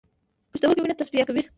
پښتورګي وینه تصفیه کوي